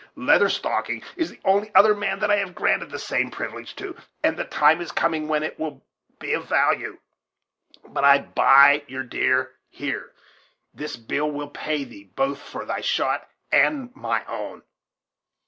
Leather Stocking is the only other man that I have granted the same privilege to; and the time is coming when it will be of value. But I buy your deer here, this bill will pay thee, both for thy shot and my own."